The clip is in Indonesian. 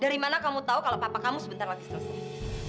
dari mana kamu tahu kalau papa kamu sebentar lagi selesai